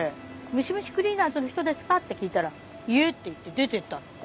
「ムシムシクリーナーズの人ですか？」って聞いたら「いえ」って言って出てったの。